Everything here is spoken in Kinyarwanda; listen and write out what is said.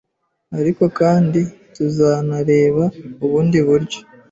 ariko kandi tuzanareba ubundi buryo